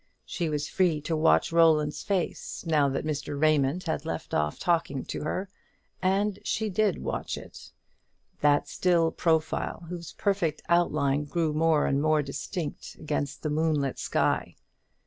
She was free to watch Roland's face now that Mr. Raymond had left off talking to her, and she did watch it; that still profile whose perfect outline grew more and more distinct against the moonlit sky.